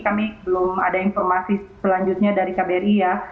kami belum ada informasi selanjutnya dari kbri ya